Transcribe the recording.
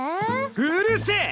うるせぇ！